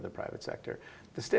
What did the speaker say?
dengan sektor pribadi